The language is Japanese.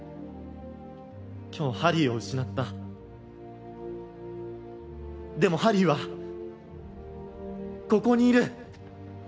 今日ハリーを失ったでもハリーはここにいる∈